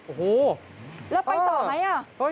โอ้โฮแล้วไปต่อไหม